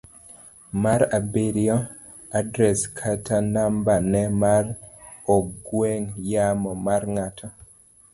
mar abiriyo. Adres kata nambane mar ong'we yamo mar ng'at